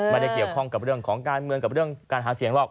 ไม่ได้เกี่ยวข้องกับเรื่องของการเมืองกับเรื่องการหาเสียงหรอก